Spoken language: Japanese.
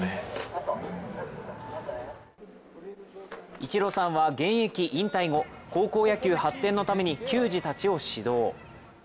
イチローさんは現役引退後高校野球発展のために球児たちを指導。